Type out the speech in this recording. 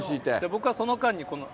僕はその間にこの。